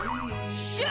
っしゃあ！